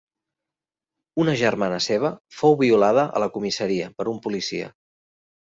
Una germana seva fou violada a la comissaria per un policia.